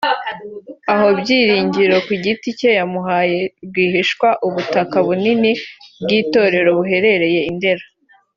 aho Byiringiro ku giti cye yamuhaye rwihishwa ubutaka bunini bw’itorero buherereye i Ndera